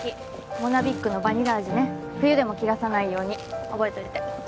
モナビッグのバニラ味ね冬でも切らさないように覚えといて。